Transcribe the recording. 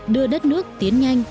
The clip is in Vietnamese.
đưa đất nước tiến nhanh